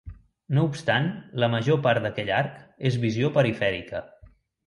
No obstant, la major part d'aquell arc és visió perifèrica.